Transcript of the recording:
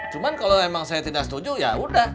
cuman kalau emang saya tidak setuju ya udah